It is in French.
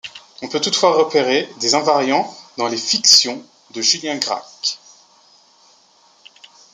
On peut toutefois repérer des invariants dans les fictions de Julien Gracq.